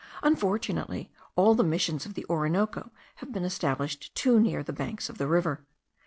Unfortunately, all the Missions of the Orinoco have been established too near the banks of the river.